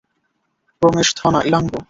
Ramesh, Dhana, Elango.